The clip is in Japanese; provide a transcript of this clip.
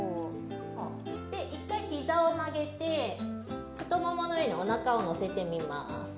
１回ひざを曲げて、太ももの上におなかを乗せてみます。